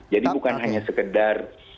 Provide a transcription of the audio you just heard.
jadi bukan hanya sekedar